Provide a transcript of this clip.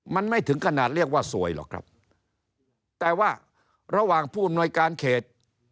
มันไม่ถึงขนาดเรียกว่าสวยหรอกครับแต่ว่าระหว่างผู้อำนวยการเขต